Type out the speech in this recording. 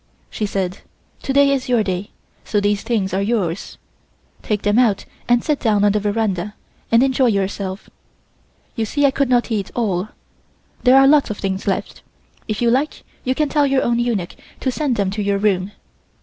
She said: "To day is your day, so these things are yours. Take them out and sit down on the veranda and enjoy yourself. You see I could not eat all. There are lots of things left. If you like you can tell your own eunuch to send them to your room."